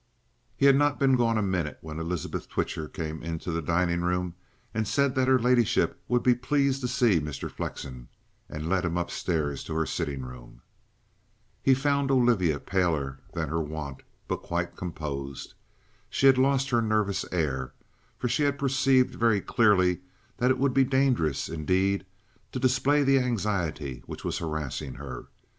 He had not been gone a minute when Elizabeth Twitcher came into the dining room, said that her ladyship would be pleased to see Mr. Flexen, and led him upstairs to her sitting room. He found Olivia paler than her wont, but quite composed. She had lost her nervous air, for she had perceived very clearly that it would be dangerous, indeed, to display the anxiety which was harassing her.